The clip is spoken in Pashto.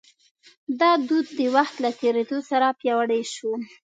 دا دود د وخت له تېرېدو سره پیاوړی شو.